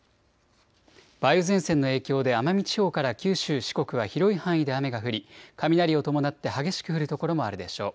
梅雨前線の影響で奄美地方から九州、四国は広い範囲で雨が降り雷を伴って激しく降る所もあるでしょう。